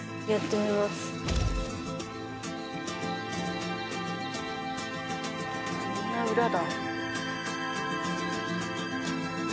みんな裏だ。